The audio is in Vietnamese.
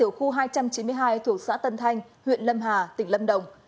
vụ hủy hoại rừng thông tại tiểu khu hai trăm chín mươi hai thuộc xã tân thanh huyện lâm hà tỉnh lâm đồng